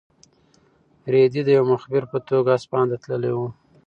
رېدی د یو مخبر په توګه اصفهان ته تللی و.